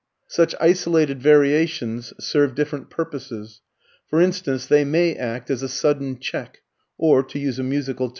Such isolated variations serve different purposes. For instance, they may act as a sudden check, or to use a musical term, a "fermata."